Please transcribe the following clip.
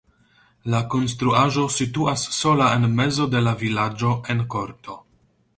La konstruaĵo situas sola en mezo de la vilaĝo en korto.